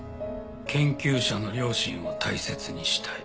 「研究者の良心を大切にしたい」。